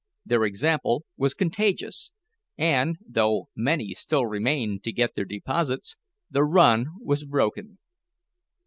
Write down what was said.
Their example was contagious, and, though many still remained to get their deposits, the run was broken.